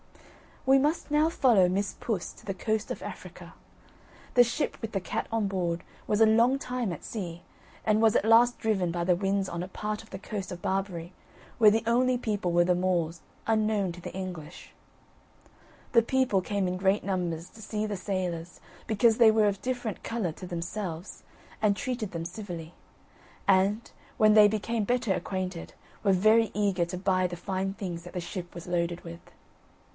We must now follow Miss Puss to the coast of Africa. The ship with the cat on board, was a long time at sea; and was at last driven by the winds on a part of the coast of Barbary, where the only people were the Moors, unknown to the English. The people came in great numbers to see the sailors, because they were of different colour to themselves, and treated them civilly; and, when they became better acquainted, were very eager to buy the fine things that the ship was loaded with.